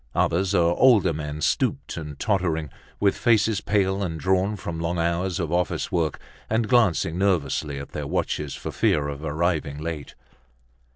Others are older men, stooped and tottering, with faces pale and drawn from long hours of office work and glancing nervously at their watches for fear of arriving late.